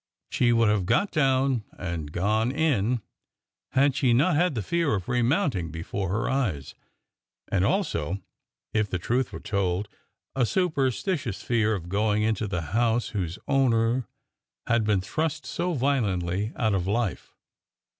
She would have got down and gone in had she not had the fear of remounting beiore her eyes, and also, if the truth were told, a super stitious fear of going into the house whose owner had been thrust so violently out of life.